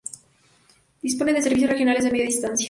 Dispone de servicios Regionales de Media Distancia.